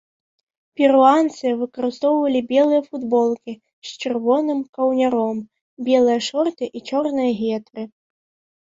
Перуанцы выкарыстоўвалі белыя футболкі з чырвоным каўняром, белыя шорты і чорныя гетры.